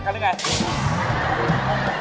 มีความรู้สึกว่า